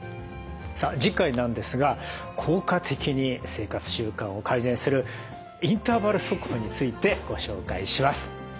さあ次回なんですが効果的に生活習慣を改善するインターバル速歩についてご紹介します。